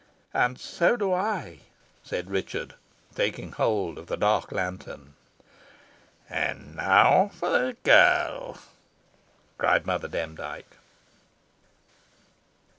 "And so do I," said Richard, taking hold of the dark lantern. "And now for the girl," cried Mother Demdike.